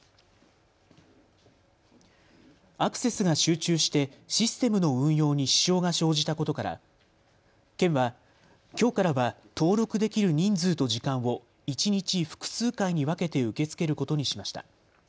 アクセスが集中してシステムの運用に支障が生じたことから県はきょうからは登録できる人数と時間を一日、複数回に分けて受け付けることにしました。